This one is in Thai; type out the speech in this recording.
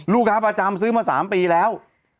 ลูกค้าประจำซื้อมา๓ปีแล้ว